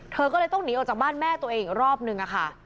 เธอก็เลยต้องหนีออกจากบ้านแม่ตัวเองอีกรอบนึงอะค่ะ